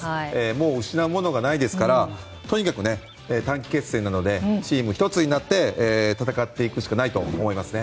もう失うものがないですからとにかく短期決戦なのでチーム１つになって戦っていくしかないと思いますね。